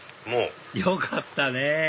よかったね！